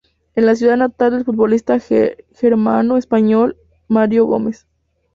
Es la ciudad natal del futbolista germano-español Mario Gómez.